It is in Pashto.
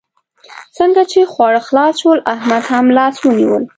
څنګه چې خواړه خلاص شول؛ احمد هم لاس ونيول.